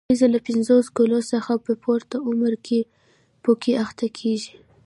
ښځې له پنځوسو کلونو څخه په پورته عمر کې پوکي اخته کېږي.